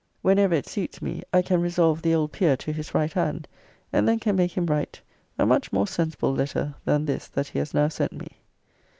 Whenever it suits me, I can resolve the old peer to his right hand, and then can make him write a much more sensible letter than this that he has now sent me.